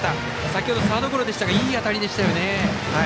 先程サードゴロでしたがいい当たりでしたね。